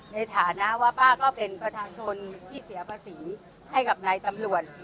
ในฐานะว่าป้าก็เป็นประชาชนที่เสียภาษีให้กับนายตำรวจ